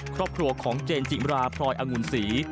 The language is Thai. ครอบครัวของเจนจิมราพลอยองุ่นศรี